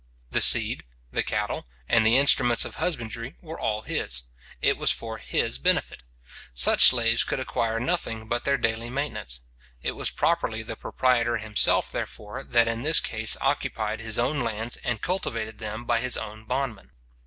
The seed, the cattle, and the instruments of husbandry, were all his. It was for his benefit. Such slaves could acquire nothing but their daily maintenance. It was properly the proprietor himself, therefore, that in this case occupied his own lands, and cultivated them by his own bondmen.